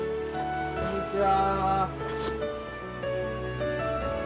こんにちは。